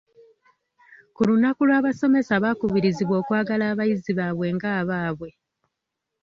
Ku lunaku lw'abasomesa baakubirizibwa okwagala abayizi baabwe nga abaabwe.